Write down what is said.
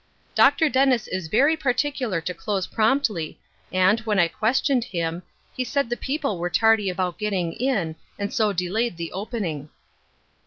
" Dr. Dennis is very particular to close promptly, and, when 1 questioned him, he said the people were tardy about getting in, and so delayed the opening."